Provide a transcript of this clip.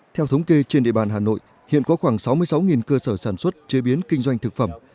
theo thống kê trên địa bàn hà nội hiện có khoảng sáu mươi sáu cơ sở sản xuất chế biến kinh doanh thực phẩm